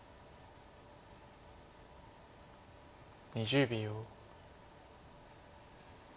２０秒。